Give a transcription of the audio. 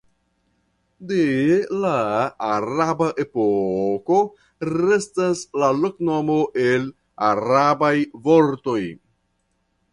De la araba epoko restas la loknomo el arabaj vortoj.